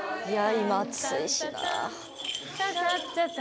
今暑いしなあ。